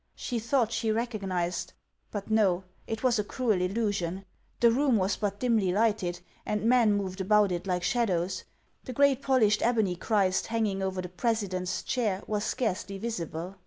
She thought she recognized— But no; it was a cruel illusion. The room was but dimly lighted, and men moved about it like shadows ; the great polished ebony Christ hanging over the president's chair was scarcely visible.